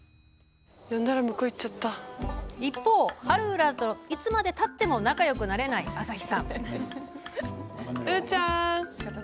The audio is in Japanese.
一方、ハルウララといつまでたっても仲よくなれないうーちゃん。